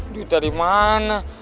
duit dari mana